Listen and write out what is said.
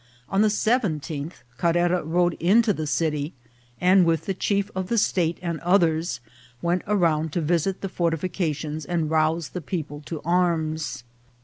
On the seventeenth Carrera rode into the city, and with the chief of the state and others, went around to visit the fortifications and rouse the people to arms.